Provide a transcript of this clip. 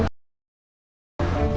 nggak bisa dikituin